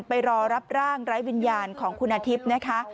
ไปรอรับร่างไร้วิญญาณของคุณอาทิตย์นะคะ